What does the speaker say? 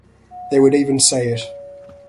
They would even say it.